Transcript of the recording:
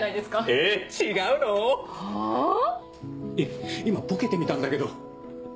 えっ今ボケてみたんだけど。